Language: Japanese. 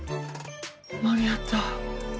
間に合った。